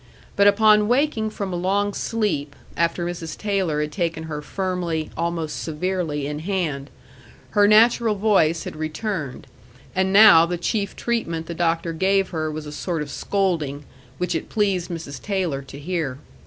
But upon waking from a long sleep, after Mrs. Taylor had taken her firmly, almost severely, in hand, her natural voice had returned, and now the chief treatment the doctor gave her was a sort of scolding, which it pleased Mrs. Taylor to hear.